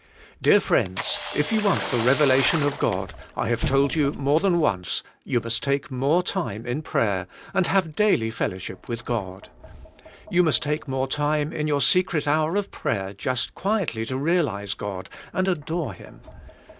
Dear friends, if you want the revelation of God I have told you more than once you must take 232 THE SPIRITUAL i.if:e;. more time in prayer and have daily fellowship with God. You must take more time in your secret hour of prayer just quietly to realize God and adore Him.